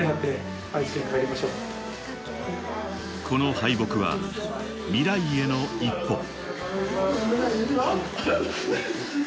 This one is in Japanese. この敗北は、未来への一歩。